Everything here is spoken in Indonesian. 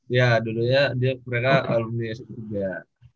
ya dulunya mereka alumni sp tiga